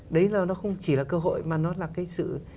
đấy là nó không chỉ là cơ hội mà nó là cái sự